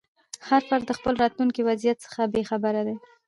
هر فرد د خپل راتلونکي وضعیت څخه بې خبره دی.